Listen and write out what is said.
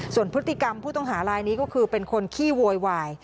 ส่วนพฤติกรรมผู้ต้องหาลายนี้ก็คือเป็นคนขี้โวยวาย